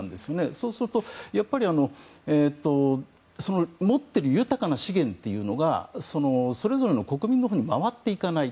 そうすると持っている豊かな資源がそれぞれの国民のほうに回っていかない。